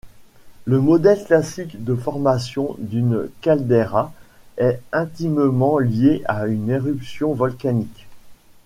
Le modèle classique de formation d’une caldeira est intimement lié à une éruption volcanique.